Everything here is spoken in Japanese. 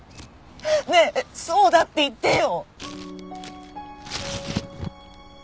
ねえそうだって言ってよ！